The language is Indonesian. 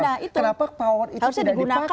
kenapa power itu tidak dipakai